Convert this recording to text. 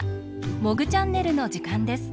「モグチャンネル」のじかんです。